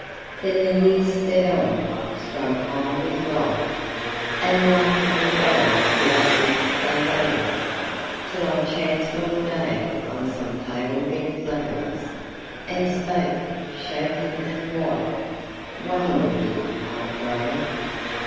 Then the years sped on, strung high with life; And laughter and gold were the gifts they gave, Till I chanced one day on some pale dead flowers, And spake, shaking and white, "One more gift I crave."